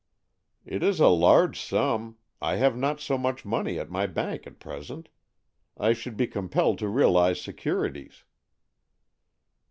" It is a large sum. I have not so much' money at my bank at present. I should be compelled to realize securities."